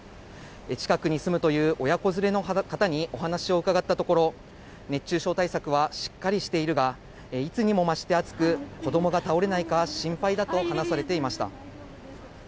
近くに住むという親子連れの方にお話を伺ったところ、熱中症対策はしっかりしているが、いつにもまして暑く、子どもが倒れないか心配だと話されていました。